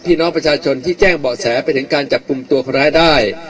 พี่น้องประชาชนที่แจ้งเบาะแสไปถึงการจับกลุ่มตัวคนร้ายได้